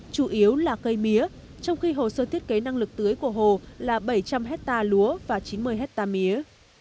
chủ yếu là cây mía trong khi hồ sơ thiết kế năng lực tưới của hồ là bảy trăm linh hectare lúa và chín mươi hectare mía